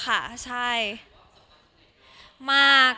แต่ว่ากลัวคุณจะบอกว่าช่วยกับโควิด